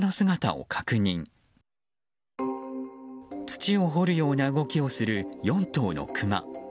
土を掘るような動きをする４頭のクマ。